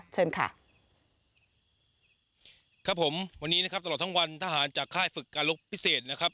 เชิญค่ะครับผมวันนี้นะครับตลอดทั้งวันทหารจากค่ายฝึกการรกพิเศษนะครับ